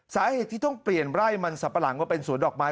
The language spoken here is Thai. สาเหตุที่ต้องเปลี่ยนไร่มันสับปะหลังว่าเป็นสวนดอกไม้